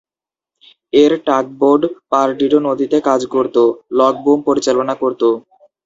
এর tugboat Perdido নদীতে কাজ করত, লগবুম পরিচালনা করত।